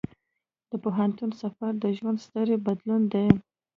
د پوهنتون سفر د ژوند ستر بدلون دی.